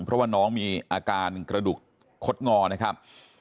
เพราะว่าน้องมีอาการกระดูกคดงอนะครับ